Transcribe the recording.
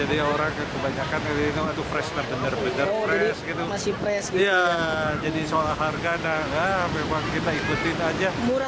ikutin aja nggak juga